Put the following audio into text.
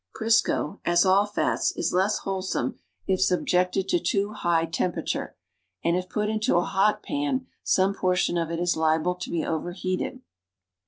Crisco — as all fats — is less wholesome if subjected to too high temperature, and if put into a hot pan some portion of it is liable to be overheated.